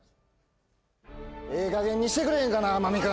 ええかげんにしてくれへんかな天海君